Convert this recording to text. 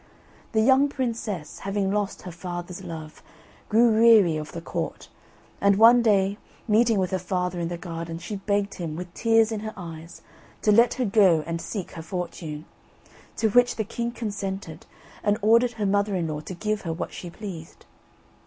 The young princess having lost her father's love, grew weary of the Court, and one day, meeting with her father in the garden, she begged him, with tears in her eyes, to let her go and seek her fortune; to which the king consented, and ordered her mother in law to give her what she pleased.